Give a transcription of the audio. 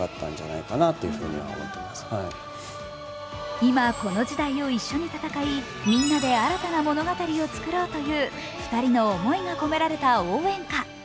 今、この時代を一緒に闘いみんなで新たな物語を作ろうという２人の思いが込められた応援歌。